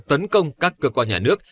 tấn công các cơ quan nhà nước